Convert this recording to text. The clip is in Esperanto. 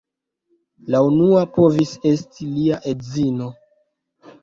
La unua povis esti lia edzino.